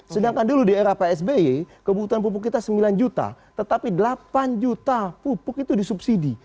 sedangkan dulu di era psby kebutuhan pupuk kita sembilan juta tetapi delapan juta pupuk itu disubsidi